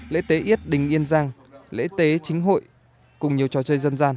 lễ tế yết đình yên giang lễ tế chính hội cùng nhiều trò chơi dân gian